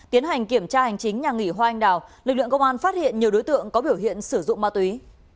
tiến hành kiểm tra hành chính nhà nghỉ hoa anh đào lực lượng công an phát hiện nhiều đối tượng có biểu hiện sử dụng ma túy